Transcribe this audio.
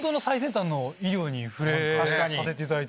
に触れさせていただいて。